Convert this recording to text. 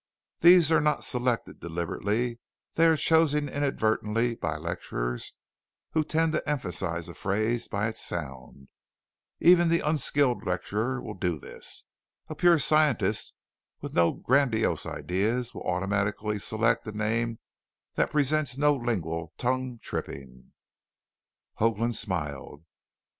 These are not selected deliberately, they are chosen inadvertently by lecturers who tend to emphasize a phrase by its sound even the unskilled lecturer will do this; a pure scientist with no grandiose ideas will automatically select a name that presents no lingual tongue tripping." Hoagland smiled.